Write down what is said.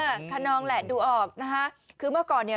คนนองแหละดูออกนะคะคือเมื่อก่อนเนี่ย